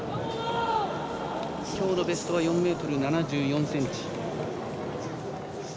きょうのベストは４ｍ７４ｃｍ。